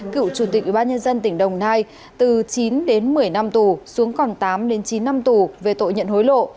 cựu chủ tịch ủy ban nhân dân tỉnh đồng nai từ chín đến một mươi năm tù xuống còn tám đến chín năm tù về tội nhận hối lộ